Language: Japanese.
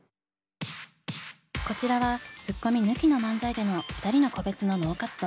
こちらはツッコミ抜きの漫才での２人の個別の脳活動。